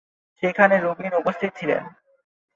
সেখানে রুবিন উপস্থিত ছিলেন।